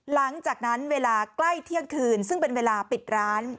หลังจากนั้นเวลาใกล้เที่ยงคืนซึ่งเป็นเวลาปิดร้าน